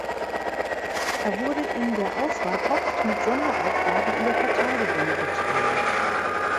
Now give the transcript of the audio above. Er wurde in der Auswahl oft mit Sonderaufgaben in der Verteidigung betraut.